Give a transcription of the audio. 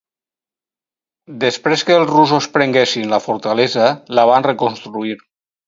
Després que els russos prenguessin la fortalesa, la van reconstruir.